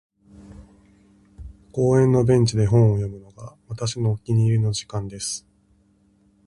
•公園のベンチで本を読むのが、私のお気に入りの時間です。